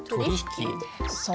そう。